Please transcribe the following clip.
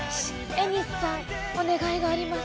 エニシさんお願いがあります。